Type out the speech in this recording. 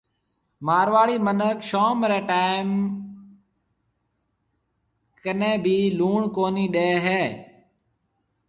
مارواڙِي مِنک شوم ري ٽيم ڪَني ڀِي لُوڻ ڪونِي ڏيَ هيَ۔